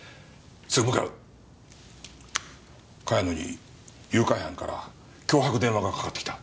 茅野に誘拐犯から脅迫電話がかかってきた。